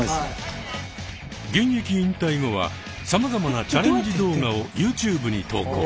現役引退後はさまざまなチャレンジ動画をユーチューブに投稿。